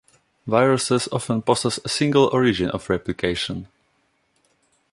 Viruses often possess a single origin of replication.